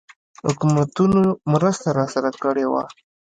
حکومتونو مرسته راسره کړې وه.